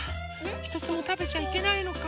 ひとつもたべちゃいけないのか。